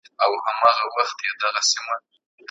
دوی د شتمنۍ لپاره نور خلګ ځوروي.